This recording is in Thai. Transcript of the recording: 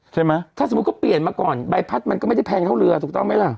ใช่ไหมถ้าสมมุติเขาเปลี่ยนมาก่อนใบพัดมันก็ไม่ได้แพงเท่าเรือถูกต้องไหมล่ะ